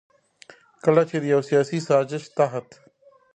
کله چې د يو سياسي سازش تحت